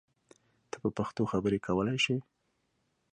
ته په پښتو خبری کولای شی!